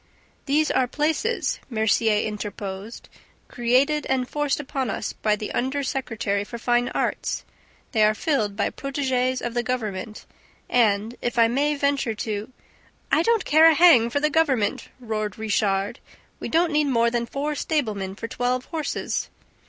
"These are 'places,'" Mercier interposed, "created and forced upon us by the under secretary for fine arts. They are filled by protegees of the government and, if I may venture to ..." "I don't care a hang for the government!" roared Richard. "We don't need more than four stablemen for twelve horses."